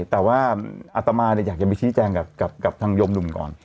แต่ว่าอัตมาอยากจะไปชี้แจงกับทางโยมหนุ่มก่อน